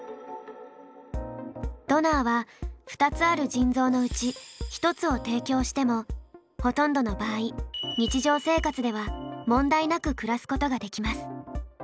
ドナーは２つある腎臓のうち１つを提供してもほとんどの場合日常生活では問題なく暮らすことができます。